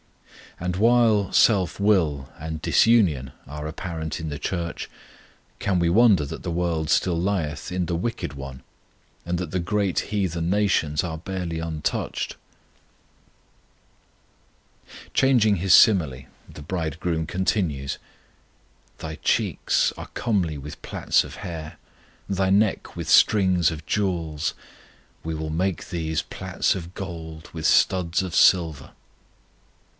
And while self will and disunion are apparent in the Church, can we wonder that the world still lieth in the wicked one, and that the great heathen nations are barely touched? Changing His simile, the Bridegroom continues: Thy cheeks are comely with plaits of hair, Thy neck with strings of jewels. We will make thee plaits of gold With studs of silver.